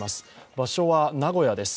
場所は名古屋です。